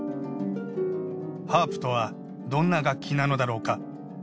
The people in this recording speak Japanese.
ハープとはどんな楽器なのだろうか。